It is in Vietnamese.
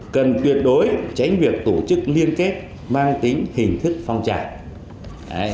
cần tuyệt đối tránh việc tổ chức liên kết mang tính hình thức phong trào